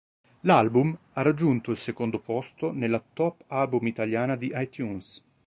L'album ha raggiunto il secondo posto nella top album italiana di iTunes.